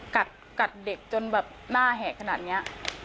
กัดเด็กจนแบบหน้าแหกขนาดนี้